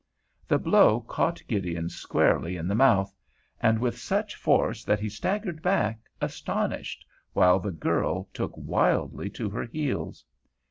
The blow caught Gideon squarely in the mouth, and with such force that he staggered back, astonished, while the girl took wildly to her heels.